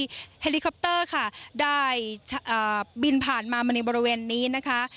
เฮลิคอปเตอร์ค่ะได้บินผ่านมามาในบริเวณนี้นะคะ